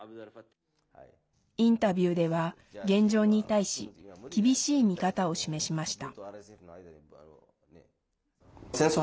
インタビューでは現状に対し厳しい見方を示しました。